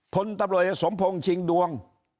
ฝนตำรวจเอกสมพงษ์ชิงดวง